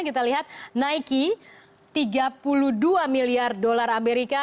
kita lihat nike tiga puluh dua miliar dolar amerika